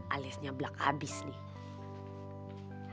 aliasnya belak abis nih